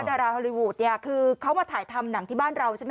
ดาราฮอลลีวูดเนี่ยคือเขามาถ่ายทำหนังที่บ้านเราใช่ไหม